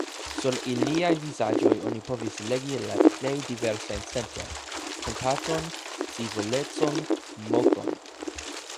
Sur iliaj vizaĝoj oni povis legi la plej diversajn sentojn: kompaton, scivolecon, mokon.